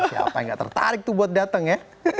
siapa yang gak tertarik tuh buat datang ya